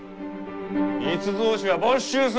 密造酒は没収する。